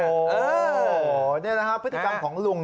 โอ้โหนี่แหละครับพฤติกรรมของลุง